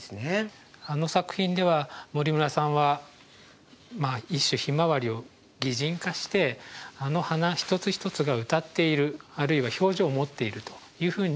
あの作品では森村さんはまあ一種ひまわりを擬人化してあの花一つ一つが歌っているあるいは表情を持っているというふうに解釈したわけですよね。